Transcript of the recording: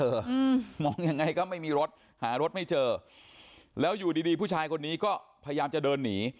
อืมมองยังไงก็ไม่มีรถหารถไม่เจอแล้วอยู่ดีดีผู้ชายคนนี้ก็พยายามจะเดินหนี